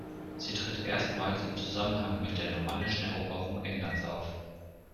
Sie tritt erstmals im Zusammenhang mit der normannischen Eroberung Englands auf.